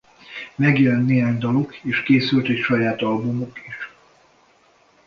Megjelent néhány daluk és készült egy saját albumuk is.